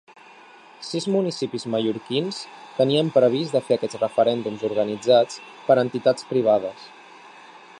Sis municipis mallorquins tenien previst de fer aquests referèndums organitzats per entitats privades.